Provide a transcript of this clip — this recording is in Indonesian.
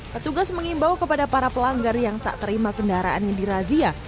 petugas mengimbau kepada para pelanggar yang tak terima kendaraannya dirazia